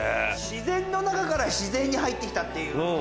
自然の中から自然に入って来たっていう。